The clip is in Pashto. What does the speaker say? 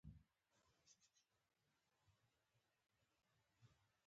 دوی به د خلکو چورولو ته لاس واچوي.